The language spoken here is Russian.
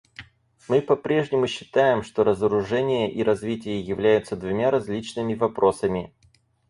Мы по-прежнему считаем, что разоружение и развитие являются двумя различными вопросами.